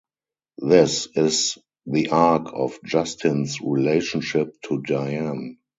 This is the arc of Justin’s relationship to Diane.